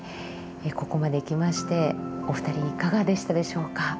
ここまできましてお二人いかがでしたでしょうか。